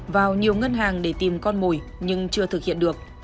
vào nhiều ngân hàng để tìm con mồi nhưng chưa thực hiện được